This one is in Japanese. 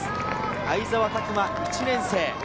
相澤拓摩、１年生。